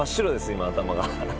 今頭が。